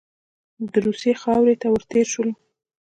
د روسیې خاورې ته ور تېر شولو.